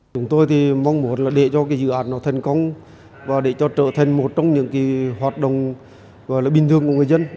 chúng tôi mong muốn để dự án thành công và trở thành một trong những hoạt động bình thường của người dân